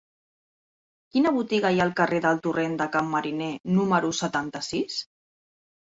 Quina botiga hi ha al carrer del Torrent de Can Mariner número setanta-sis?